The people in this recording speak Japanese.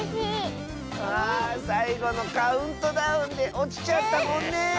あさいごのカウントダウンでおちちゃったもんね。